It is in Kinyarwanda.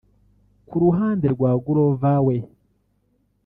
Ku ruhande rwa Glover we